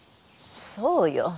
そうよ。